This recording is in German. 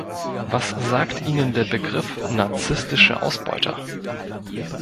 Was sagt Ihnen der Begriff "narzistische Ausbeuter"?